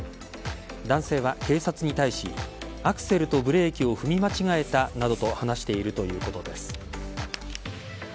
男性は警察に対しアクセルとブレーキを踏み間違えたなどと話しているということです。